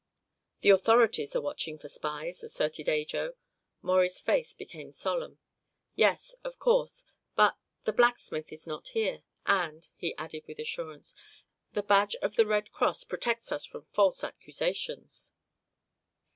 "The authorities are watching for spies," asserted Ajo. Maurie's face became solemn. "Yes; of course. But the blacksmith is not here, and," he added with assurance, "the badge of the Red Cross protects us from false accusations."